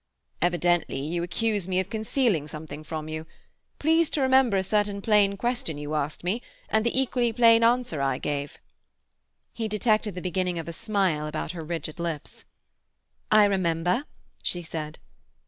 "Evidently you accuse me of concealing something from you. Please to remember a certain plain question you asked me, and the equally plain answer I gave." He detected the beginning of a smile about her rigid lips. "I remember," she said.